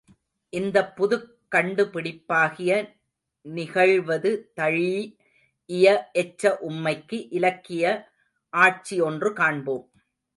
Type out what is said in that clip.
இந்தப் புதுக் கண்டு பிடிப்பாகிய நிகழ்வது தழீ இய எச்ச உம்மைக்கு இலக்கிய ஆட்சி ஒன்று காண்போம்.